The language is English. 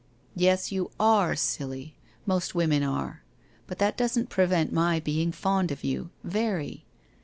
1 Yes, you are silly, most women are — but that doesn't prevent my being fond of you, very.